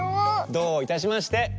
どういたしまして。